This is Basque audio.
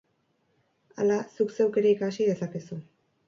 Hala, zuk zeuk ere ikasi dezakezu.